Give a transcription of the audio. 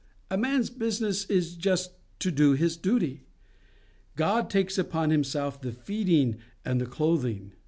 A man's business is just to do his duty: God takes upon Himself the feeding and the clothing.